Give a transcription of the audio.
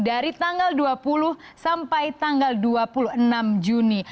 dari tanggal dua puluh sampai tanggal dua puluh enam juni